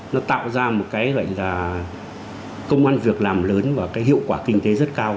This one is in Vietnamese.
nó tạo ra một cái gọi là công an việc làm lớn và cái hiệu quả kinh tế rất cao